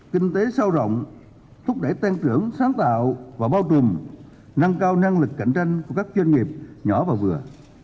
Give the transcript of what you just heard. kinh tế sâu rộng thúc đẩy tăng trưởng sáng tạo và bao trùm nâng cao năng lực cạnh tranh của các doanh nghiệp nhỏ và vừa